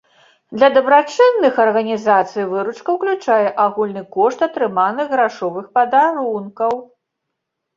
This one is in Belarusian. Для дабрачынных арганізацый выручка ўключае агульны кошт атрыманых грашовых падарункаў.